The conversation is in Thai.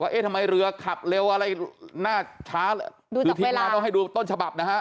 เอ๊ะทำไมเรือขับเร็วอะไรน่าช้าดูสิทีมงานต้องให้ดูต้นฉบับนะฮะ